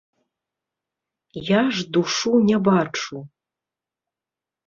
Я ж душу не бачу.